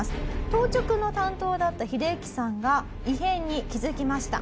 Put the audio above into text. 当直の担当だったヒデユキさんが異変に気づきました。